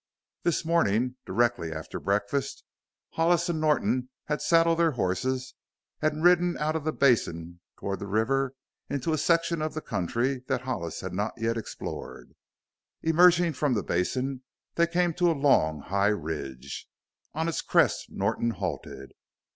This morning, directly after breakfast Hollis and Norton had saddled their horses and ridden out of the basin toward the river, into a section of the country that Hollis had not yet explored. Emerging from the basin, they came to a long, high ridge. On its crest Norton halted.